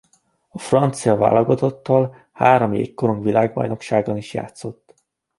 A francia válogatottal három jégkorong-világbajnokságon is játszott.